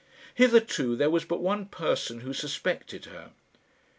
Hitherto, there was but one person who suspected her.